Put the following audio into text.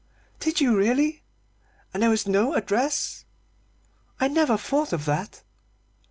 "Did you really? And there was no address? I never thought of that."